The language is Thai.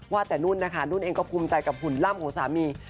ว่าแต่นุ่นนะคะนุ่นเองก็ภูมิใจกับหุ่นล่ำของสามี